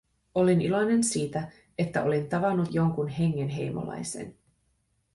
Olin iloinen siitä, että olin tavannut jonkun hengenheimolaisen.